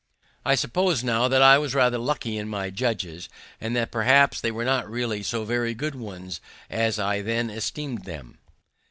I suppose now that I was rather lucky in my judges, and that perhaps they were not really so very good ones as I then esteem'd them.